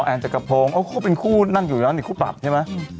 อ๋อแอนจักรพงศ์โอ้โหเป็นคู่นั่งอยู่แล้วคู่ปรับใช่ไหม